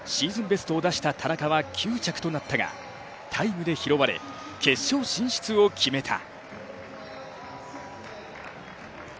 ベストを出した田中は９着となったがタイムで拾われ決勝進出を決めた。